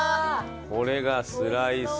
これがスライス。